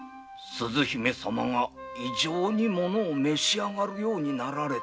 鈴姫様が異常に召し上がるようになったのは。